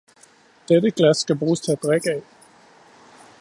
Dette glas skal bruges til at drikke af.